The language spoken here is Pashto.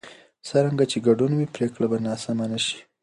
څرنګه چې ګډون وي، پرېکړې به ناسمې نه شي.